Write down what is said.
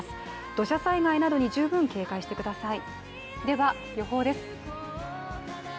土砂災害などに十分警戒してください。